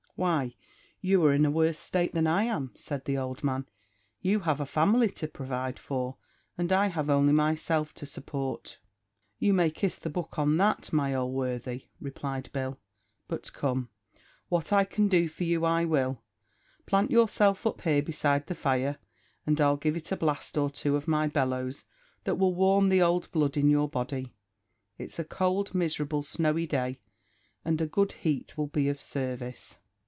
"Why, you are in a worse state than I am," said the old man; "you have a family to provide for, and I have only myself to support." "You may kiss the book on that, my old worthy," replied Bill; "but come, what I can do for you I will; plant yourself up here beside the fire, and I'll give it a blast or two of my bellows that will warm the old blood in your body. It's a cold, miserable, snowy day, and a good heat will be of service."